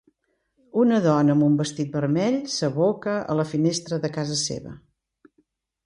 Una dona amb un vestit vermell s'aboca a la finestra de casa seva.